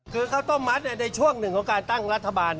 คือข้าวต้มมัดในช่วงหนึ่งของการตั้งรัฐบาล